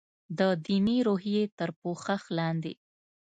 د دیني روحیې تر پوښښ لاندې.